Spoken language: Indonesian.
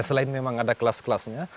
selain memang ada kelas kelasnya